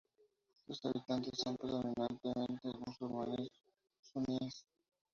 Sus habitantes son predominantemente musulmanes suníes.